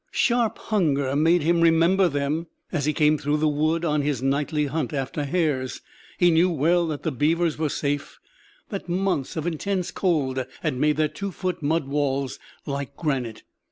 Sharp hunger made him remember them as he came through the wood on his nightly hunt after hares. He knew well that the beavers were safe; that months of intense cold had made their two foot mud walls like granite.